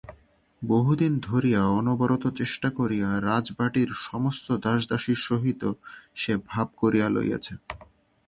বহুদিন ধরিয়া অনবরত চেষ্টা করিয়া রাজবাটির সমস্ত দাস দাসীর সহিত সে ভাব করিয়া লইয়াছে।